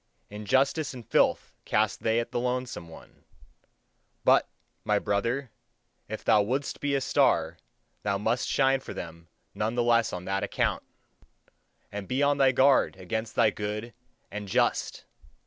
Injustice and filth cast they at the lonesome one: but, my brother, if thou wouldst be a star, thou must shine for them none the less on that account! And be on thy guard against the good and just!